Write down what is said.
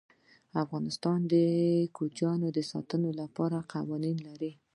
افغانستان د کوچیان د ساتنې لپاره قوانین لري.